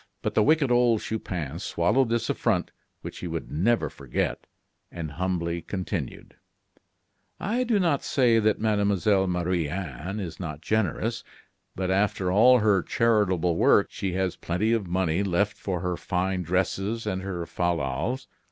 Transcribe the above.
But the wicked old Chupin swallowed this affront which he would never forget, and humbly continued: "I do not say that Mademoiselle Marie Anne is not generous; but after all her charitable work she has plenty of money left for her fine dresses and her fallals.